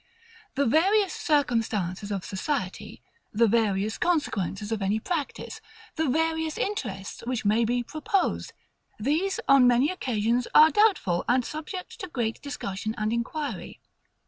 The various circumstances of society; the various consequences of any practice; the various interests which may be proposed; these, on many occasions, are doubtful, and subject to great discussion and inquiry.